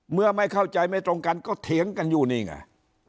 เมื่อไม่เข้าใจไม่ตรงกันก็เถียงกันอยู่นี่ไง